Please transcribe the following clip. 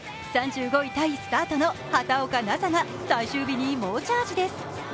３５位タイスタートの畑岡奈紗が最終日に猛チャージです。